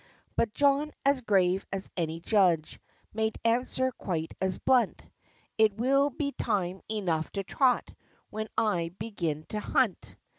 But John, as grave as any judge, Made answer quite as blunt; "It will be time enough to trot, When I begin to hunt!"